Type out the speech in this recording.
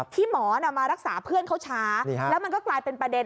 ที่หมอมารักษาเพื่อนเขาช้าแล้วมันก็กลายเป็นประเด็น